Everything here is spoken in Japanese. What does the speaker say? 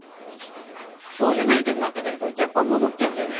そうじゃない時もあったんだけどやっぱ戻っちゃうんだよね。